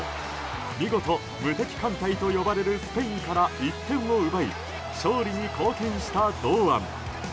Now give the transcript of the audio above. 見事、無敵艦隊と呼ばれるスペインから１点を奪い勝利に貢献した堂安。